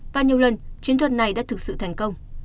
và nhiều lần chiến thuật này đã thực sự thành công